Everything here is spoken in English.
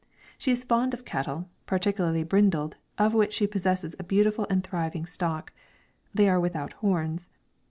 She is fond of cattle, particularly brindled, of which she possesses a beautiful and thriving stock. They are without horns.